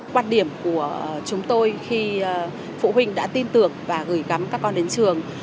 quan điểm của chúng tôi khi phụ huynh đã tin tưởng và gửi gắm các con đến trường